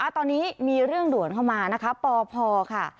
ตอนนี้มีเรื่องด่วนเข้ามานะคะปพค่ะ